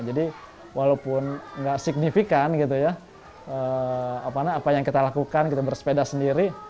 jadi walaupun nggak signifikan apa yang kita lakukan bersepeda sendiri